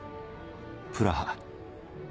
プラハ。